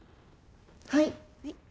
はい。